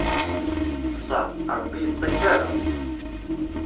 Ṭṭseɣ, Ṛebbi ur iṭṭis ara.